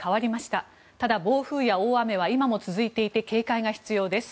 ただ、暴風や大雨は今も続いていて警戒が必要です。